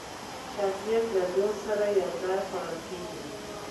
چاکلېټ له دوست سره یو ځای خوړل کېږي.